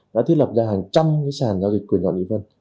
đã thiết lập ra hàng trăm sàn giao dịch của nhà mỹ vân